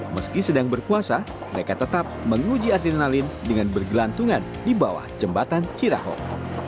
meski sedang berpuasa mereka tetap menguji adrenalin dengan bergelantungan di bawah jembatan cirahok